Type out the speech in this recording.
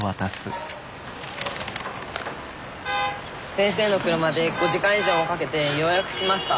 先生の車で５時間以上もかけてようやく来ました。